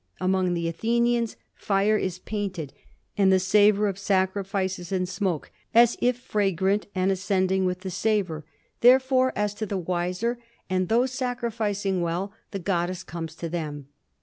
Among the Athenians fire is painted and the savor of sacrifices and smoke, as if fragrant and ascending with the savor; therefore, as to the wiser and those sacrificing well, the goddess comes to them.